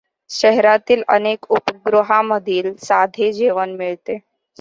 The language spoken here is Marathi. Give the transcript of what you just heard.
शहरातील अनेक उपहारगृहांमध्ये साधे जेवण मिळते.